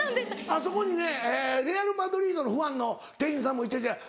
あそこにねレアル・マドリードのファンの店員さんもいてて。